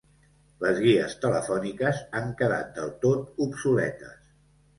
Les guies telefòniques han quedat del tot obsoletes.